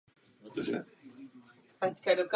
V okolí tůně se nachází jen několik stromů u jižního břehu.